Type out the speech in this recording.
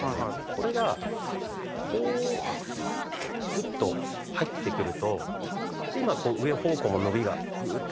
これがこうグッと入ってくると今上方向の伸びがグーッてやると。